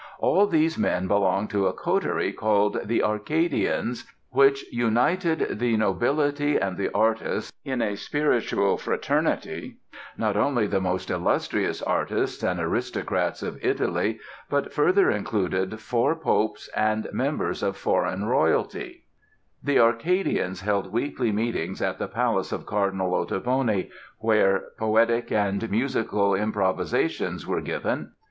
All these men belonged to a coterie called the "Arcadians", which united "the nobility and the artists in a spiritual fraternity not only the most illustrious artists and aristocrats of Italy, but further included four Popes and members of foreign royalty." [Illustration: HANDEL AT THE TIME OF HIS FIRST VISIT TO ITALY.] The "Arcadians" held weekly meetings at the palace of Cardinal Ottoboni, where poetic and musical improvisations were given.